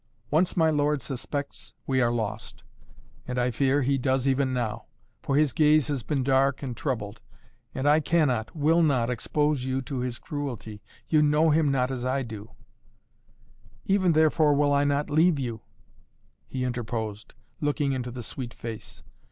"Once my lord suspects we are lost. And, I fear, he does even now. For his gaze has been dark and troubled. And I cannot, will not, expose you to his cruelty. You know him not as I do " "Even therefore will I not leave you," he interposed, looking into the sweet face.